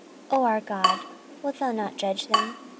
14:020:012 O our God, wilt thou not judge them?